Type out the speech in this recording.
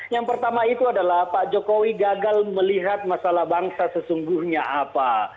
yang pertama itu adalah pak jokowi gagal melihat masalah bangsa sesungguhnya apa